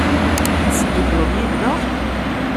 Ad teddukleḍ yid-neɣ?